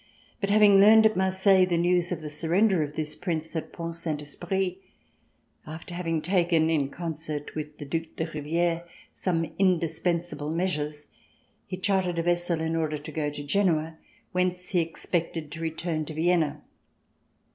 But having learned at Marseille the news of the surrender of this Prince at Pont Saint Esprit, after having taken, in concert with the Due de Riviere, some indispensable measures, he C406] POSTSCRIIT chartered a vessel in order to po to Genoa, whence he expected to return to Vienna.